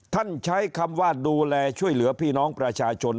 ใช้คำว่าดูแลช่วยเหลือพี่น้องประชาชน